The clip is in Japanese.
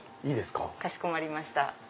かしこまりました。